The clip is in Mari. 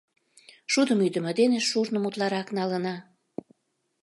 — Шудым ӱдымӧ дене шурным утларак налына.